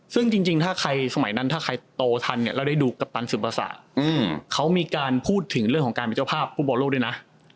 ซึ่งจริงถ้าใครสมัยนั้นถ้าใครโตทันเนี่ยเราได้ดูกัปตันสุภาษาเขามีการพูดถึงเรื่องของการเป็นเจ้าภาพฟุตบอลโลกด้วยนะ